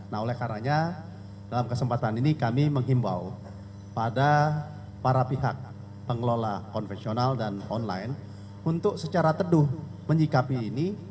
nah oleh karanya dalam kesempatan ini kami menghimbau pada para pihak pengelola konvensional dan online untuk secara teduh menyikapi ini